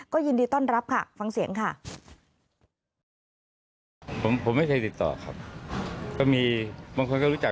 ก็ยินดีต้อนรับค่ะฟังเสียงค่ะ